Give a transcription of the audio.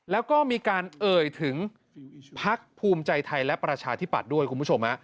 แล้วก็มีการเอ่ยถึงพักภูมิใจไทยและประชาธิปัตย์ด้วยคุณผู้ชม